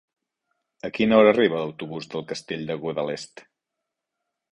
A quina hora arriba l'autobús del Castell de Guadalest?